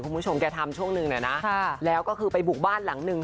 คุณผู้ชมแกทำช่วงหนึ่งน่ะนะแล้วก็คือไปบุกบ้านหลังหนึ่ง